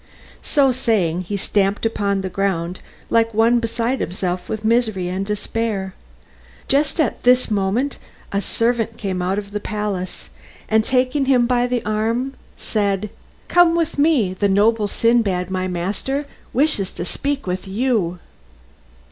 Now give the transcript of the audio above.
So saying he stamped upon the ground like one beside himself with misery and despair. Just at this moment a servant came out of the palace, and taking him by the arm said, "Come with me, the noble Sindbad, my master, wishes to speak to you."